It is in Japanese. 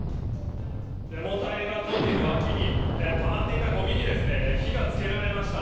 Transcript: デモ隊が通っている脇にたまっていたゴミに火がつけられました。